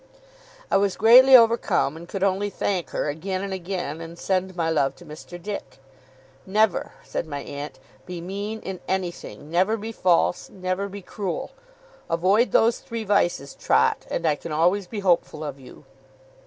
I was greatly overcome, and could only thank her, again and again, and send my love to Mr. Dick. 'Never,' said my aunt, 'be mean in anything; never be false; never be cruel. Avoid those three vices, Trot, and I can always be hopeful of you.